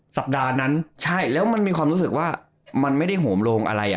สัปดาห์นั้นใช่แล้วมันมีความรู้สึกว่ามันไม่ได้โหมโลงอะไรอ่ะ